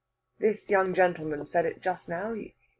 "This young gentleman said it just now.